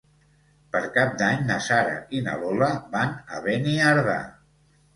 Per Cap d'Any na Sara i na Lola van a Beniardà.